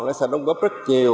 nó sẽ đóng góp rất nhiều